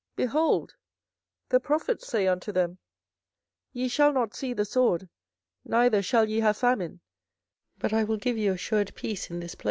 behold, the prophets say unto them, Ye shall not see the sword, neither shall ye have famine; but I will give you assured peace in this place.